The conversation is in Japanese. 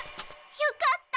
よかった。